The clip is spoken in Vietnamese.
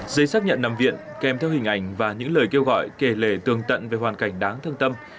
giấy chứng nhận nằm viện kèm theo hình ảnh và những lời kêu gọi kể lề tương tận về hoàn cảnh đáng thương tâm